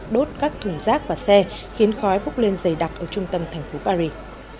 đốt các thùng rác và xe khiến khói búc lên dày đặc ở trung tâm thành phố paris